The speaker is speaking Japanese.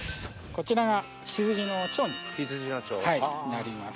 こちらが羊の腸になります。